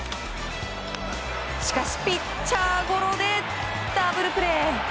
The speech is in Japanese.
しかしピッチャーゴロでダブルプレー。